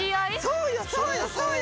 そうよそうよそうよ。